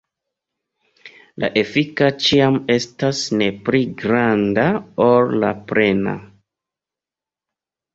La efika ĉiam estas ne pli granda ol la plena.